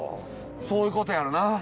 そういう事やろな。